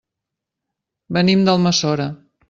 Venim d'Almassora.